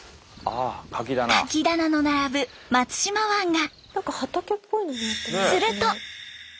カキ棚の並ぶ松島湾が。